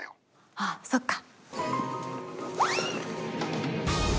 あっそっか！